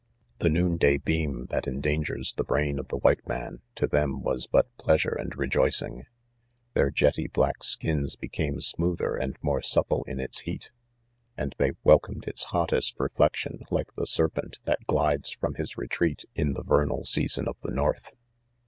*The noonday beam that endangers the brain of the white man, to them was" but pleasure and rejoicing. Their jetty black skins became smoother ( 17 ) and more supple in its 1 he at, and they welcomedrTtsrholfes^^ serpent; that glides fromliis retreatliFthe ver ~ nal season of the north.